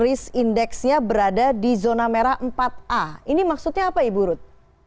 risk indeksnya berada di zona merah empat a ini maksudnya apa ibu rut